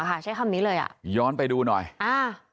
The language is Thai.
ใช้คำนี้เลยอ่ะย้อนไปดูหน่อยอ่า